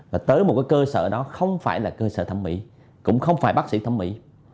và tới một cái cơ sở đó không phải là cơ sở thẩm mỹ cũng không phải bác sĩ thẩm mỹ